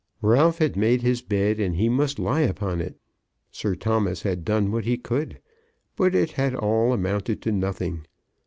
Ralph had made his bed, and he must lie upon it. Sir Thomas had done what he could, but it had all amounted to nothing.